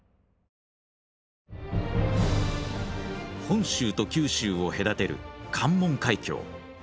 本州と九州を隔てる関門海峡。